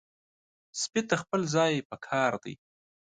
سپي ته خپل ځای پکار دی.